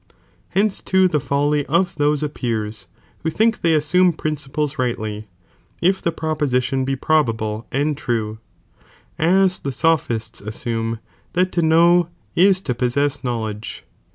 Hence too the follj iiuf^Fin." ^^ those appears, who think they assume princi ples rightly, if the proposition be probable and true, as the Sophists (assume) that to know is to possess knowledge.